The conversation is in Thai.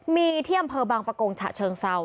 มีที่อำเภอบางประกงฉะเชิงเศร้า